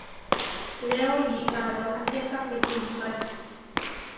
Leo G. Carroll hacía el papel principal.